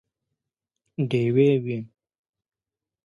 ډیوې وي